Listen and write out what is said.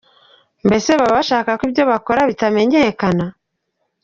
Mbese Baba bashaka ko ibyo bakora bitamenyekana??